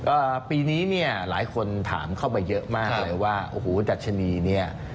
ปีนี้เนี่ยหลายคนถามเข้ามาเยอะมากเลยว่าโอ้โหดัชนีเนี่ย